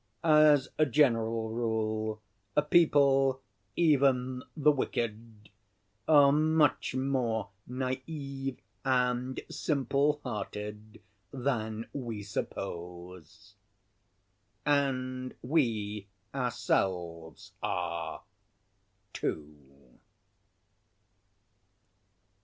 As a general rule, people, even the wicked, are much more naïve and simple‐hearted than we suppose. And we ourselves are, too.